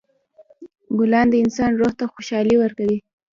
ګلان د انسان روح ته خوشحالي ورکوي.